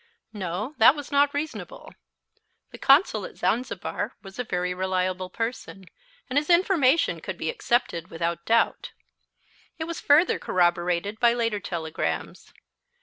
No, that was not reasonable. The Consul at Zanzibar was a very reliable person, and his information could be accepted without doubt. It was further corroborated by later telegrams.